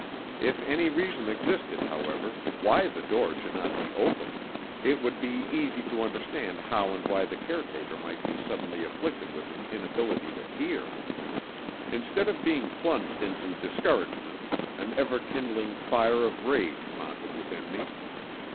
If any reason existed, however, why the door should not be opened, it would be easy to understand how and why the caretaker might be suddenly afflicted with an inability to hear. Instead of being plunged into discouragement, an ever kindling fire of rage mounted within me.